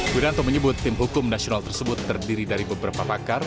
wiranto menyebut tim hukum nasional tersebut terdiri dari beberapa pakar